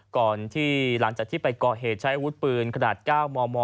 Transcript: ก่อนที่หลังจากที่ไปก่อเหตุใช้อาวุธปืนขนาด๙มม